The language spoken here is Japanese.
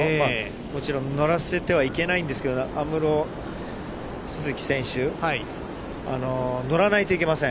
もちろん乗らせてはいけないんですけど、あむろつづき選手、乗らないといけません。